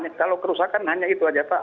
kalau kerusakan hanya itu saja pak